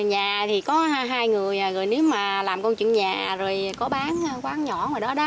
nhà thì có hai người nếu mà làm công chuyện nhà rồi có bán quán nhỏ ngoài đó đó